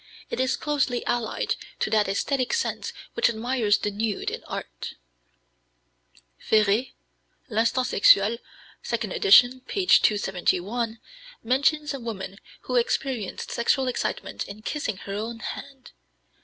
It is closely allied to that æsthetic sense which admires the nude in art." Féré (L'Instinct Sexuel, 2d ed., p. 271) mentions a woman who experienced sexual excitement in kissing her own hand.